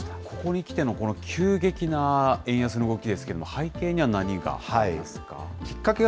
ここに来ての、この急激な円安の動きですけれども、背景には何がありますか？